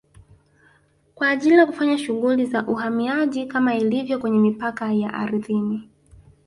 kwa ajili ya kufanya shughuli za uhamiaji kama ilivyo kwenye mipaka ya ardhini